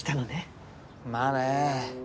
まあね。